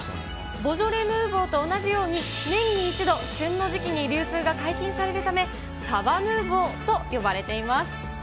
ボジョレーヌーヴォーと同じように、年に一度、旬の時期に流通が解禁されるため、サバヌーヴォーと呼ばれています。